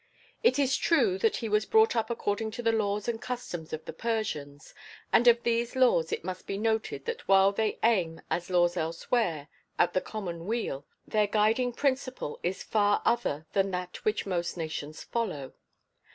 It is true that he was brought up according to the laws and customs of the Persians, and of these laws it must be noted that while they aim, as laws elsewhere, at the common weal, their guiding principle is far other than that which most nations follow.